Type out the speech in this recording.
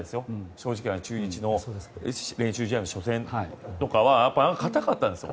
正直、中日との練習試合の初戦とかはかたかったですよ。